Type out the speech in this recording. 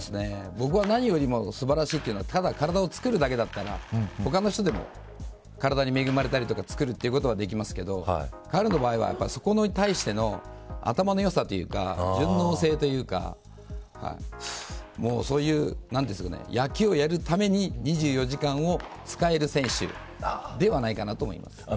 僕は何より素晴らしいのはただ、体をつくるだけだったら他の人でも体に恵まれたりとかつくることはできますが彼の場合はそこに対しての頭のよさというか順応性というかそういう、野球をやるために２４時間を使える選手ではないかなと思います。